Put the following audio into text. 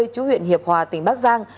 chú huyện hiệp hòa tỉnh bắc giang